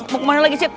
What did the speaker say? mau kemana lagi cik